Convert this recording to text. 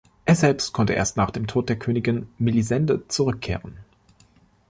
Er selbst konnte erst nach dem Tod der Königin Melisende zurückkehren.